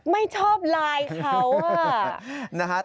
ไม่ชอบไลน์เขา